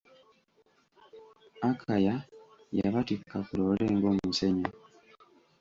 Akaya yabatikka ku loole ng'omusenyu.